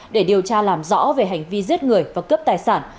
để điều tra làm rõ về hành vi giết người và cướp tài sản